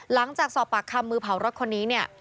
หลังจากสอบปากคำมือเผารถคนนี้เนี่ย